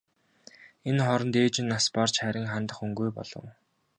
Энэ хооронд ээж нь нас барж харж хандах хүнгүй болов.